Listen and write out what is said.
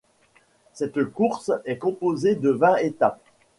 Cette course est composée de vingt étapes.